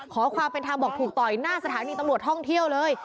ขอความเป็นทางบอกถูกต่อยหน้าสถานีตำรวจท่องเที่ยวเลย